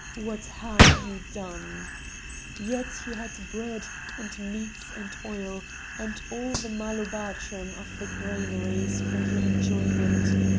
what have you done? "Yet you had bread, and meats and oil, and all the malobathrum of the granaries for your enjoyment!